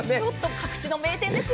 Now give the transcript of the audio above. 各地の名店ですよ。